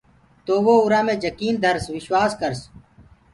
تو وو اُرو مي جڪيٚن ڌرس وشواس ڪرس۔